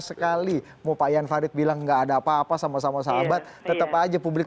sekali mau pak yan farid bilang enggak ada apa apa sama sama sahabat tetap aja publik